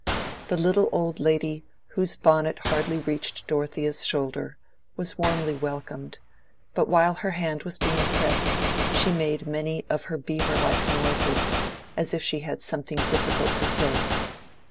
The little old lady, whose bonnet hardly reached Dorothea's shoulder, was warmly welcomed, but while her hand was being pressed she made many of her beaver like noises, as if she had something difficult to say.